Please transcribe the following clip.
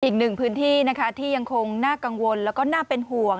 อีกหนึ่งพื้นที่นะคะที่ยังคงน่ากังวลแล้วก็น่าเป็นห่วง